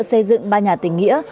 xây dựng ba nhà tình nghĩa